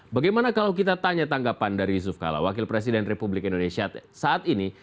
bagaimana kalau kita tanya tanggapan dari yusuf kalla wakil presiden ri saat ini